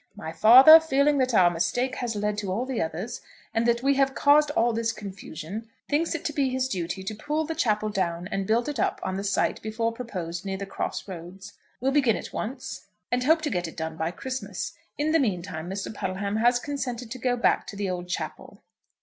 My father, feeling that our mistake has led to all the others, and that we have caused all this confusion, thinks it to be his duty to pull the chapel down and build it up on the site before proposed near the cross roads. We'll begin at once, and hope to get it done by Christmas. In the mean time, Mr. Puddleham has consented to go back to the old chapel."